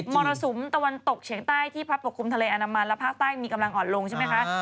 มรสุมตะวันตกเฉียงใต้ที่พัดปกคลุมทะเลอันดามันและภาคใต้มีกำลังอ่อนลงใช่ไหมคะ